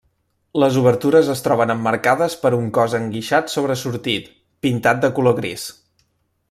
Les obertures es troben emmarcades per un cos enguixat sobresortit, pintat de color gris.